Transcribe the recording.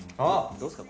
どうですか？